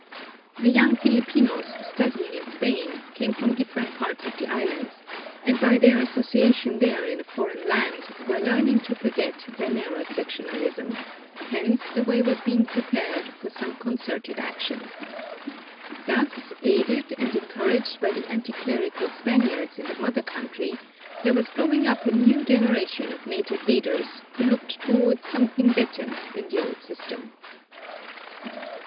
The young Filipinos studying in Spain came from different parts of the islands, and by their association there in a foreign land were learning to forget their narrow sectionalism; hence the way was being prepared for some concerted action. Thus, aided and encouraged by the anti clerical Spaniards in the mother country, there was growing up a new generation of native leaders, who looked toward something better than the old system.